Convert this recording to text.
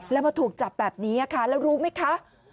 แล้วมาถูกจับแบบนี้ค่ะแล้วรู้ไหมคะ